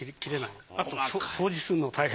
あと掃除するの大変。